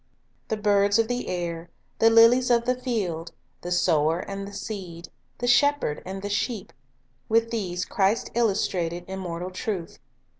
The birds of the air, the lilies of the field, the sower and the seed, the shepherd and the sheep, — with these Christ illustrated immortal truth.